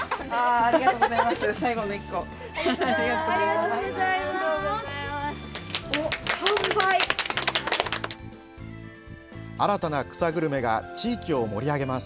ありがとうございます！